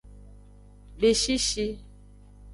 Beshishi.